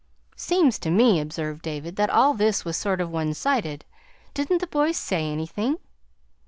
"Seems to me," observed David, "that all this was sort of one sided. Didn't the boy say anything?"